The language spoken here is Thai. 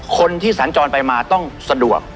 คนที่สัญจรไปมาต้องสะดวก